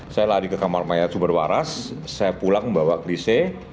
saya lari ke kamar mayat sumber waras saya pulang membawa klise